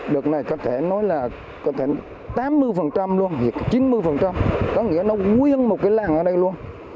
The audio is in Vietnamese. đợt này có thể nói là có thể tám mươi luôn chín mươi có nghĩa nó nguyên một cái làng ở đây luôn